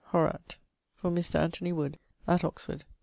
HORAT For Mr. Anthony Wood at Oxford.'